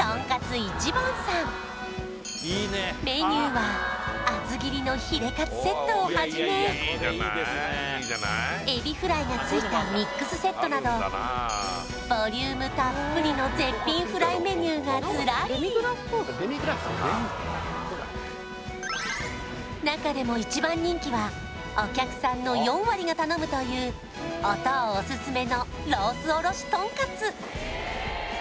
一番さんメニューは厚切りのヒレかつセットをはじめえびフライがついたミックスセットなどボリュームたっぷりの絶品フライメニューがズラリ中でも一番人気はお客さんの４割が頼むというおとうオススメのロースおろしとんかつ